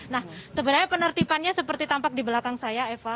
nah sebenarnya penertibannya seperti tampak di belakang saya eva